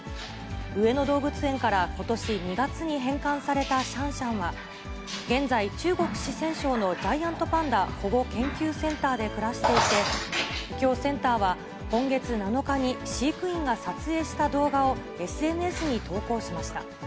上野動物園からことし２月に返還されたシャンシャンは、現在、中国・四川省のジャイアントパンダ保護研究センターで暮らしていて、きょう、センターは今月７日に飼育員が撮影した動画をＳＮＳに投稿しました。